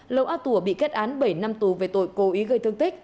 lầu a tùa bị kết án bảy năm tù về tội cố ý gây thương tích